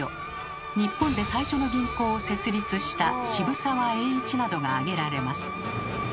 日本で最初の銀行を設立した渋沢栄一などが挙げられます。